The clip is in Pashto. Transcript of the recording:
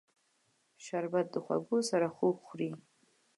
شربت د خوږو سره خوږ خوري